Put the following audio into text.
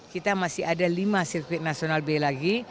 kita masih ada lima sirkuit nasional b lagi